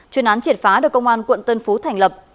chuyên án triệt phá được công an quận tân phú thành lập